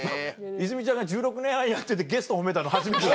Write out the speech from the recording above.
泉ちゃんが１６年半やっててゲスト褒めたの初めてだ。